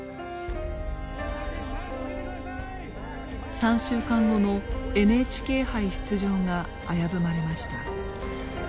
３週間後のＮＨＫ杯出場が危ぶまれました。